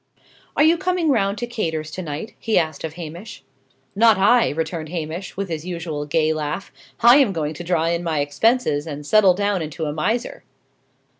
"Are you coming round to Cator's, to night?" he asked of Hamish. "Not I," returned Hamish, with his usual gay laugh. "I am going to draw in my expenses, and settle down into a miser."